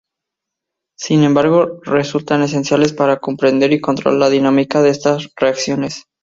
Sin embargo resultan esenciales para comprender y controlar la dinámica de estas reacciones.